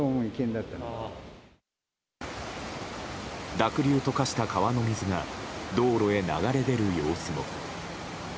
濁流と化した川の水が道路へ流れ出る様子も。